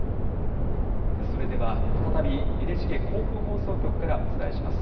それでは、再びＮＨＫ甲府放送局からお伝えします。